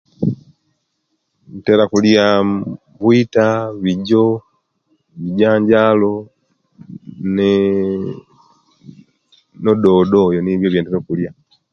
Ntera kulya bwita, bijo, bijanjalo, neeee ne dodo Oyo nibo ebiyentera okulya